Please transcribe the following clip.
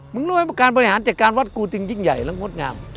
รู้ว่าการบริหารจัดการวัดกูจึงยิ่งใหญ่และงดงาม